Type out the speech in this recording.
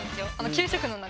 給食の中。